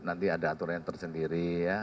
nanti ada aturan tersendiri ya